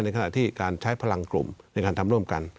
ขณะที่การใช้พลังกลุ่มในการทำร่วมกัน